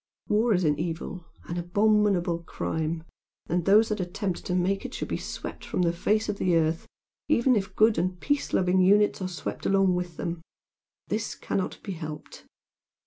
War is an evil, an abominable crime and those that attempt to make it should be swept from the face of the earth even if good and peace loving units are swept along with them. This cannot be helped."